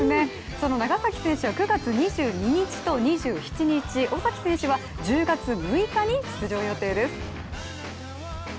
その長崎選手は９月２２日と２７日、尾崎選手は１０月６日に出場予定です。